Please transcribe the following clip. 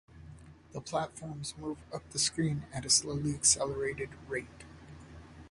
The platforms move up the screen at a slowly accelerating rate.